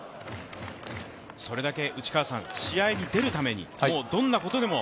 それだけ試合に出るためにどんなことでも